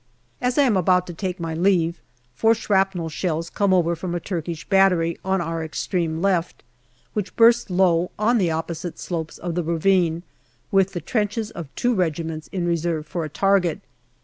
As I am about to take my leave, four shrapnel shells come over from a Turkish battery on our extreme left, which burst low on the opposite slopes of the ravine, with the trenches of two regiments in reserve for a target.